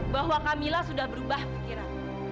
bahwa kamila sudah berubah pikiran